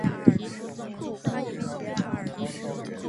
我闺女没说中秋会不会回家吃饭，她工作好像很忙呢。